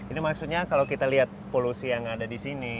ini maksudnya kalau kita lihat polusi yang ada di sini